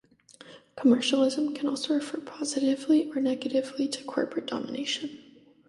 Commercialism can also refer, positively or negatively, to corporate domination.